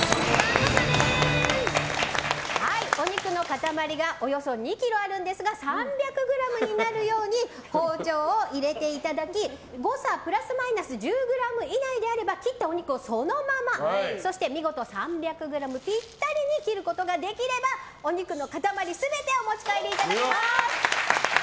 お肉の塊がおよそ２ｋｇあるんですが３００ｇになるように包丁を入れていただき誤差プラスマイナス１０ｇ以内であれば切ったお肉をそのままそして見事３００ｇぴったりに切ることができればお肉の塊全てお持ち帰りいただけます。